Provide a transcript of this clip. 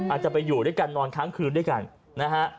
อาจจะไปอยู่ด้วยกันนอนค้างคืนด้วยกันนะฮะ